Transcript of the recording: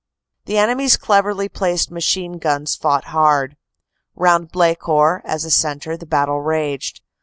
"The enemy s cleverly placed machine guns fought hard. Round Blecourt, as a centre, the battle raged.